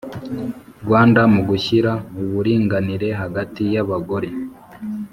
Rwanda mu gushyira uburinganire hagati y abagore